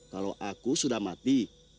kalau aku sudah mati